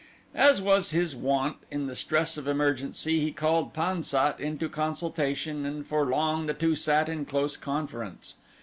As was his wont in the stress of emergency, he called Pan sat into consultation and for long the two sat in close conference.